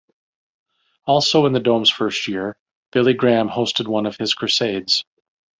Also in the Dome's first year, Billy Graham hosted one of his crusades.